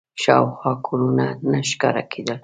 شاوخوا کورونه نه ښکاره کېدل.